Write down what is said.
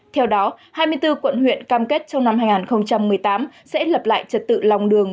theo đó hai mươi bốn quận huyện cam kết trong năm hai nghìn một mươi tám sẽ lập lại trật tự lòng đường